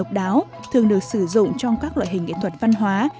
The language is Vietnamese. độc đáo thường được sử dụng trong các loại hình nghệ thuật văn hóa